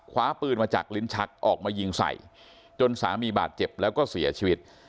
คว้าปืนมาจากลิ้นชักออกมายิงใส่จนสามีบาดเจ็บแล้วก็เสียชีวิต